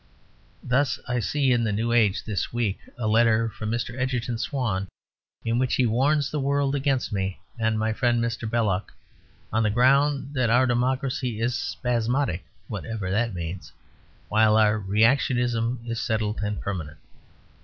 Thus, I see in the New Age this week a letter from Mr. Egerton Swann, in which he warns the world against me and my friend Mr. Belloc, on the ground that our democracy is "spasmodic" (whatever that means); while our "reactionism is settled and permanent."